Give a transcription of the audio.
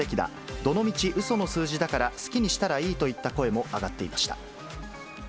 どの道うその数字だから好きにしたらいいといった声も上がっていました。